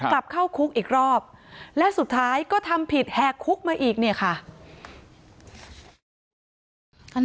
กลับเข้าคุกอีกรอบและสุดท้ายก็ทำผิดแหกคุกมาอีกเนี่ยค่ะ